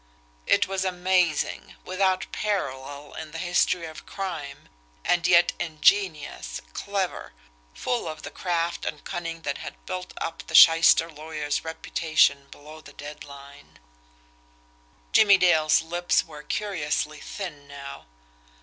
It was amazing, without parallel in the history of crime and yet ingenious, clever, full of the craft and cunning that had built up the shyster lawyer's reputation below the dead line. Jimmie Dale's lips were curiously thin now.